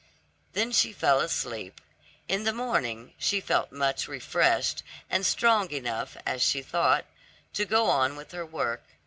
Then she fell asleep. In the morning she felt much refreshed, and strong enough, as she thought, to go on with her work.